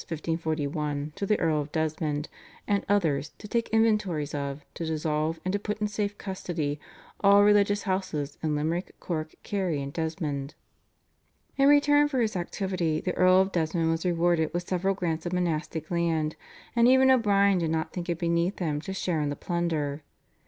1541) to the Earl of Desmond and others "to take inventories of, to dissolve, and to put in safe custody, all religious houses in Limerick, Cork, Kerry, and Desmond." In return for his activity the Earl of Desmond was rewarded with several grants of monastic land, and even O'Brien did not think it beneath him to share in the plunder.